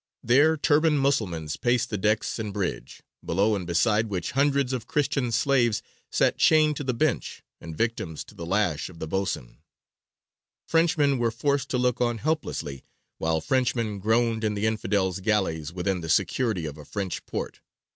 There, turbaned Musulmans paced the decks and bridge, below and beside which hundreds of Christian slaves sat chained to the bench and victims to the lash of the boatswain. Frenchmen were forced to look on, helplessly, while Frenchmen groaned in the infidels' galleys, within the security of a French port.